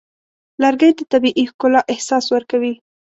لرګی د طبیعي ښکلا احساس ورکوي.